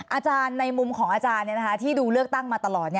อาจารย์ในมุมของอาจารย์ที่ดูเลือกตั้งมาตลอด